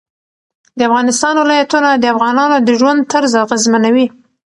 د افغانستان ولايتونه د افغانانو د ژوند طرز اغېزمنوي.